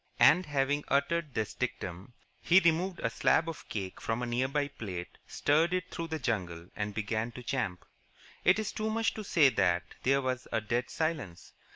And, having uttered this dictum, he removed a slab of cake from a near by plate, steered it through the jungle, and began to champ. It is too much to say that there was a dead silence.